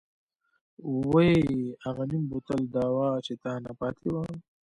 وۍ اغه نيم بوتل دوا چې تانه پاتې وه.